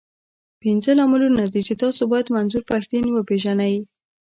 پنځه لاملونه دي، چې تاسو بايد منظور پښتين وپېژنئ.